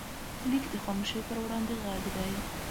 لیک د خاموشۍ پر وړاندې غږ دی.